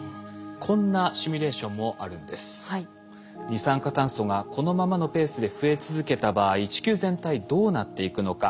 二酸化炭素がこのままのペースで増え続けた場合地球全体どうなっていくのか。